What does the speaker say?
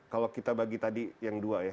kalau kita bagi tadi yang dua ya